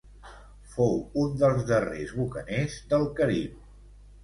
Fou un dels darrers bucaners del Carib.